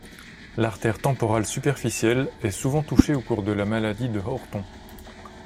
L'artère temporale superficielle est souvent touchée au cours de la maladie de Horton.